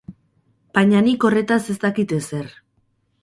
Baina nik horretaz ez dakit ezer.